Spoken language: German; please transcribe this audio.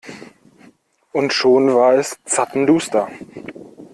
Und schon war es zappenduster.